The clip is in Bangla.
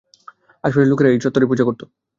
আশে-পাশের লোকেরা এই চত্বরেরই পূজা করত।